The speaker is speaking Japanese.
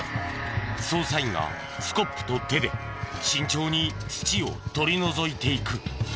捜査員がスコップと手で慎重に土を取り除いていく。